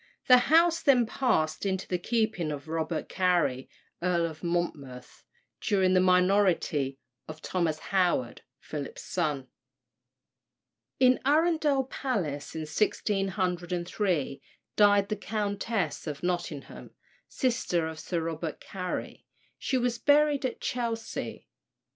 The house then passed into the keeping of Robert Cary, Earl of Monmouth, during the minority of Thomas Howard, Philip's son. In Arundel Palace, in 1603, died the Countess of Nottingham, sister of Sir Robert Cary; she was buried at Chelsea.